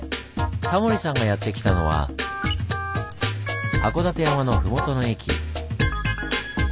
タモリさんがやって来たのは函館山の麓の駅。